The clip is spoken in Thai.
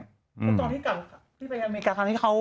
แต่ตอนที่ไปอเมริกา